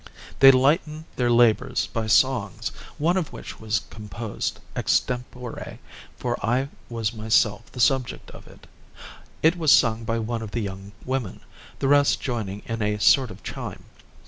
They lightened their labors by songs, one of which was composed extempore, for I was myself the subject of it. It was sung by one of the young women, the rest joining in a sort of chime.